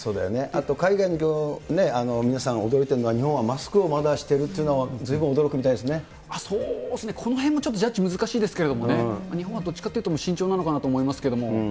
あと、海外の皆さん、驚いているのは、マスクをまだしてるっていうの、ずいぶんそうですね、このへんもちょっとジャッジ難しいですけれども、日本はどっちかっていうと慎重なのかなと思いますけれども。